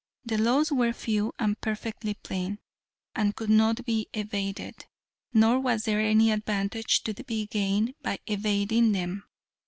The laws were few and perfectly plain, and could not be evaded. Nor was there any advantage to be gained by evading them.